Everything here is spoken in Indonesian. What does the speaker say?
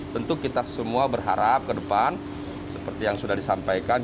tentu kita semua berharap ke depan seperti yang sudah disampaikan